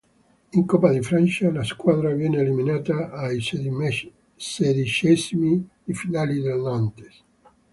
In Coppa di Francia la squadra viene eliminata ai sedicesimi di finale dal Nantes.